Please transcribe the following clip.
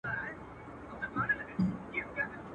له سپاهيانو يې ساتلم پټولم.